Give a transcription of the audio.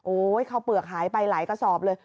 ข้าวเปลือกหายไปหลายกระสอบเลย